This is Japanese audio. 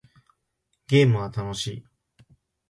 ゲームは楽しい